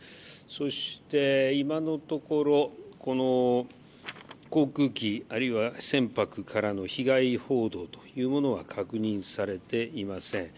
そして今のところ、この航空機あるいは船舶からの被害報道というものは確認されていません。